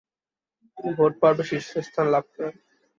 তিনি ভোট পর্বে শীর্ষস্থান লাভ করেন।